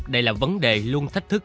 đây là vấn đề luôn thách thức